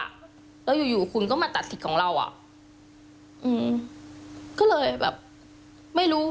แล้วอยู่อยู่คุณก็มาตัดสิทธิ์ของเราอ่ะอืมก็เลยแบบไม่รู้